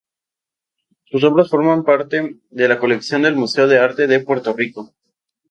Sus obras forman parte de la colección del Museo de Arte de Puerto Rico.